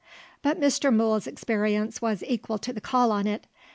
But Mr. Mool's experience was equal to the call on it.